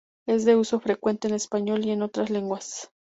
Es de uso frecuente en español y en otras lenguas.